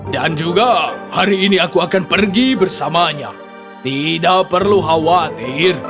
dan juga hari ini aku akan pergi bersamanya tidak perlu khawatir